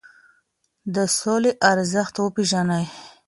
د سولي ارزښت وپیرژنئ.